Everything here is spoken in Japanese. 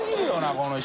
この人。